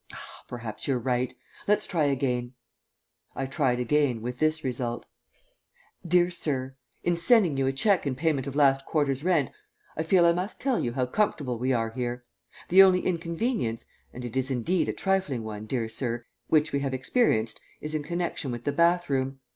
"Ah, perhaps you're right. Let's try again." I tried again, with this result: "DEAR SIR, In sending you a cheque in payment of last quarter's rent I feel I must tell you how comfortable we are here. The only inconvenience and it is indeed a trifling one, dear Sir which we have experienced is in connection with the bathroom.